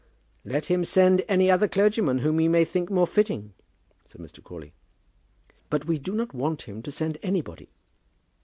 "Let him send any other clergyman whom he may think more fitting," said Mr. Crawley. "But we do not want him to send anybody."